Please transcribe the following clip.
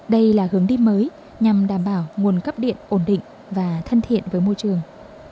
đây là hướng đi mới nhằm đảm bảo nguồn cấp điện ổn định và thân thiện với môi trường